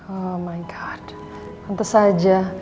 oh my god mantas aja